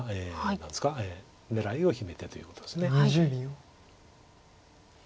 何ですか狙いを秘めてということです。